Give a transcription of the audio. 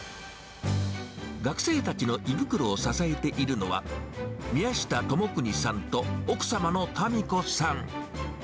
学生たちの胃袋を支えているのは、宮下友邦さんと、奥様の民子さん。